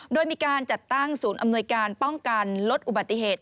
โดยมีการจัดตั้งศูนย์อำนวยการป้องกันลดอุบัติเหตุ